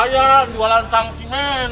ayo jualan tangsi men